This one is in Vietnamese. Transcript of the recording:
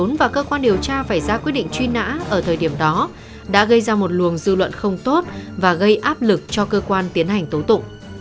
vốn và cơ quan điều tra phải ra quyết định truy nã ở thời điểm đó đã gây ra một luồng dư luận không tốt và gây áp lực cho cơ quan tiến hành tố tụ